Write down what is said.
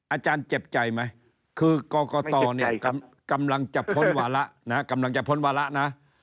อาจารย์เจ็บใจไหมคือกรกตเนี่ยกำลังจะพ้นวาระนะ